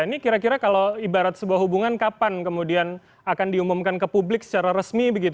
ini kira kira kalau ibarat sebuah hubungan kapan kemudian akan diumumkan ke publik secara resmi